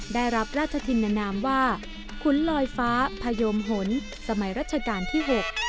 ได้รับราชธินนามว่าขุนลอยฟ้าพยมหนสมัยรัชกาลที่๖